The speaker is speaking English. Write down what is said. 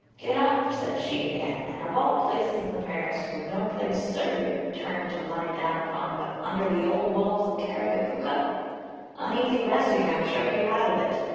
"'Get up,' said she again: 'and of all places in the parish would no place sarve your turn to lie down upon but under the ould walls of Carrigapooka? uneasy resting I am sure you had of it.'